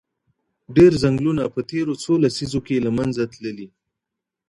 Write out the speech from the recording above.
ډېر ځنګلونه په تېرو څو لسیزو کې له منځه تللي.